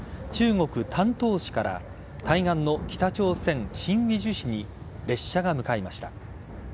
中国・丹東市から対岸の北朝鮮新義州市に列車が向かいました。